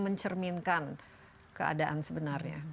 mencerminkan keadaan sebenarnya